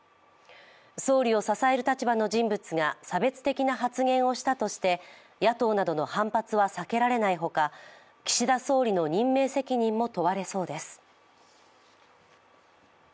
総理を支える立場の人物が差別的な発言をしたとして野党などの反発は避けられないほか、岸田総理の任命責任も問われそうです。